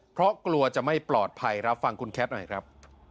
เพราะกลัวจะไม่ปลอดภัยรับฟังคุณแคทหน่อยครับ